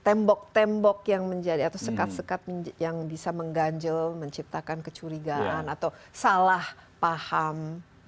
tembok tembok yang menjadi atau sekat sekat yang bisa mengganjel menciptakan kecurigaan atau salah paham